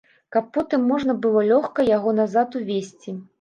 Каб потым можна было лёгка яго назад увезці.